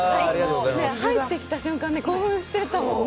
入ってきた瞬間、興奮してたもんね。